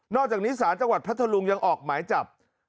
อกจากนี้ศาลจังหวัดพัทธลุงยังออกหมายจับ